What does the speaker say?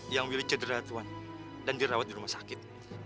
yang milih cedera tuhan dan dirawat di rumah sakit